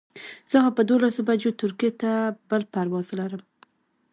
زه خو په دولس بجو ترکیې ته بل پرواز لرم.